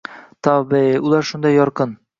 Tavba-ey, ular shunday yorqin